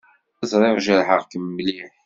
Ẓriɣ jerḥeɣ-kem mliḥ.